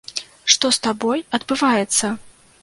Што з табой адбываецца?